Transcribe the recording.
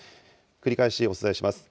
繰り返しお伝えします。